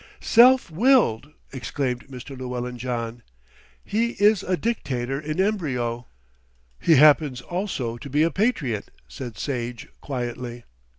"Self willed!" exclaimed Mr. Llewellyn John. "He is a dictator in embryo." "He happens also to be a patriot," said Sage quietly.